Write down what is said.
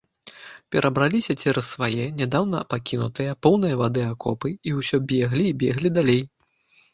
Перабраліся цераз свае, нядаўна пакінутыя, поўныя вады акопы і ўсё беглі і беглі далей.